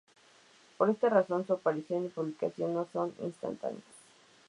Por esta razón, su aparición y publicación no son instantáneas.